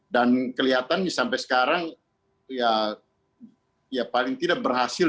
dan kelihatannya sampai sekarang ya paling tidak berhasil